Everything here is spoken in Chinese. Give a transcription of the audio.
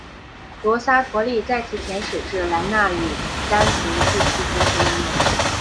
罗娑陀利再次遣使至兰纳与掸族地区寻求联盟。